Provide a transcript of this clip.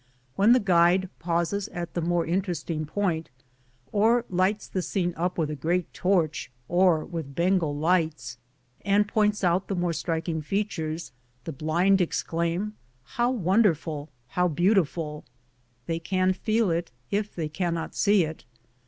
When the guide pauses at the more interesting point, or lights the scene up with a great torch or with Bengal lights, and points out the more striking fea tures, the blind exclaim, " How wonderful ! how beautiful !" They can feel it if they cannot see it.